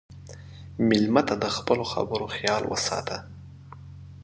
مېلمه ته د خپلو خبرو خیال وساته.